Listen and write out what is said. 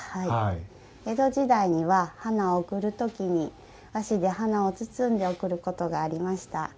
江戸時代には花を贈る時に和紙で花を贈ることがありました。